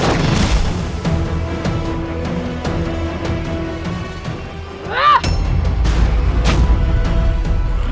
dan menangkap kake guru